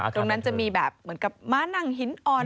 ตรงนั้นจะมีแบบเหมือนกับม้านั่งหินอ่อน